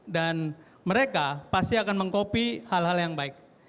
dan mereka pasti akan mengkopi hal hal yang baik